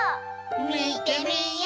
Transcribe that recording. みてみよう！